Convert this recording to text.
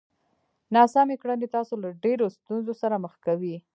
ناسمې کړنې تاسو له ډېرو ستونزو سره مخ کوي!